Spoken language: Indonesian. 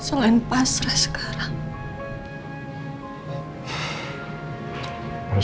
selain pasrah sekarang